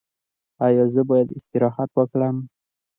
ایا زه باید استراحت وکړم؟